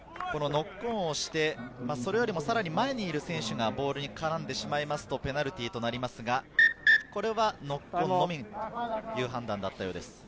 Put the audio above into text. このノックオンをして、それよりもさらに前にいる選手がボールに絡んでしまいますとペナルティーとなりますが、これはノックオンのみという判断だったようです。